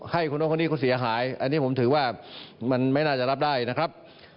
ให้คนนู้นคนนี้เขาเสียหายอันนี้ผมถือว่ามันไม่น่าจะรับได้นะครับ